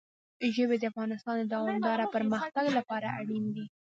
ژبې د افغانستان د دوامداره پرمختګ لپاره اړین دي.